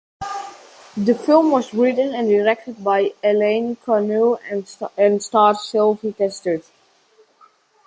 The film was written and directed by Alain Corneau and stars Sylvie Testud.